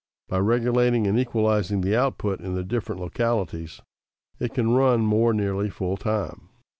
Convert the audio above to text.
By regulating and equalizing the output in the different localities, it can run more nearly full time.